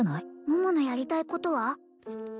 桃のやりたいことは？